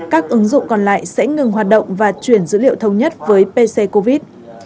các ứng dụng còn lại sẽ ngừng hoạt động và chuyển dữ liệu thông nhất với pccovid